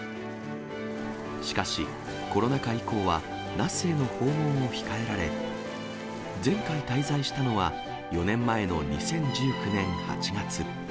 しかし、コロナ禍以降は、那須への訪問を控えられ、前回滞在したのは、４年前の２０１９年８月。